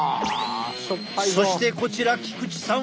そしてこちら菊池さんは。